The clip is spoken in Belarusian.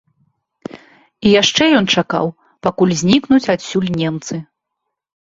І яшчэ ён чакаў, пакуль знікнуць адсюль немцы.